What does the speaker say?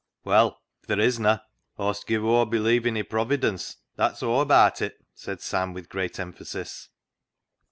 " Well, if there isna, Aw'st give o'er believin' i' Providence, that's aw abaat it," said Sam, with great emphasis.